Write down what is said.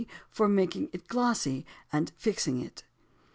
_, for making it glossy and fixing it.